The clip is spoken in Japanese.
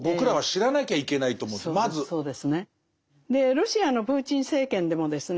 ロシアのプーチン政権でもですね